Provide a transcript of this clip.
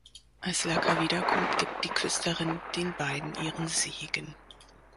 Als Laca wiederkommt, gibt die Küsterin den beiden ihren Segen.